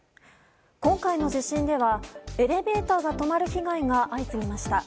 今回の地震ではエレベーターが止まる被害が相次ぎました。